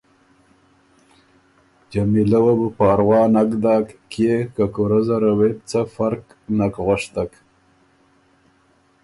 جمیلۀ وه بو پاروا نک داک کيې که کُورۀ زره وې بو څه فرق نک غؤشتک۔